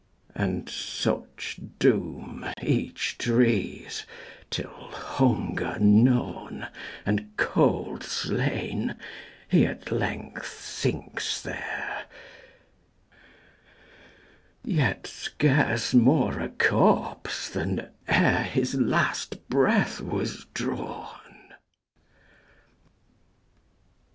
And such doom each drees, Till, hunger gnawn, And cold slain, he at length sinks there, Yet scarce more a corpse than ereHis last breath was drawn.